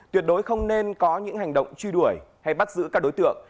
tuyệt đối không nên có những hành động truy đuổi hay bắt giữ các đối tượng